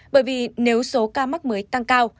bởi vì nếu số ca mắc mới tăng cao